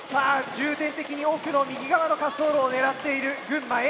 重点的に奥の右側の滑走路を狙っている群馬Ａ。